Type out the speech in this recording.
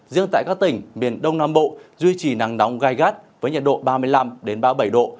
riêng tại các tỉnh miền đông nam bộ duy trì nắng nóng gai gắt với nhiệt độ ba mươi năm ba mươi bảy độ